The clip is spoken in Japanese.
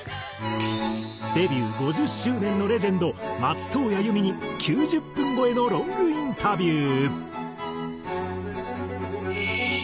デビュー５０周年のレジェンド松任谷由実に９０分超えのロングインタビュー。